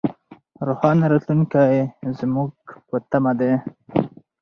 روښانه راتلونکی زموږ په تمه دی.